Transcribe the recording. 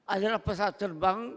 adalah pesawat terbang